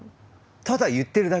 ただ言ってるだけ。